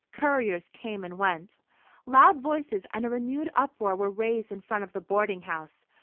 Couriers came and went. Loud voices and a renewed uproar were raised in front of the boarding house.